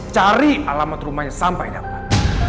cari alamat rumahnya sampai dapat